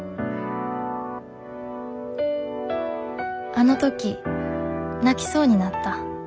あの時泣きそうになった。